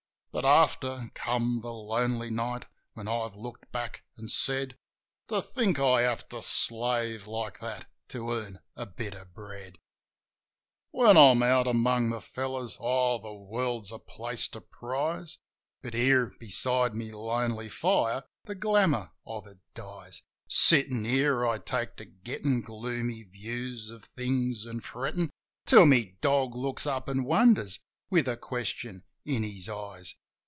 Biit, after, came the lonely night, when I've looked back an' said, "To think I have to slave like that to earn a bit of bread !" When I'm out among the fellows, oh, the world's a place to prize ; But here, beside my lonely fire,. the glamour of it dies. Sittin' here I take to gettin' gloomy views of things, an' frettin' Till my dog looks up, and wonders, with a question in his eyes.